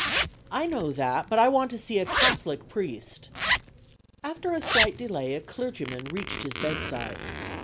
"I know that, but I want to see a Catholic priest." After a slight delay a clergyman reached his bedside.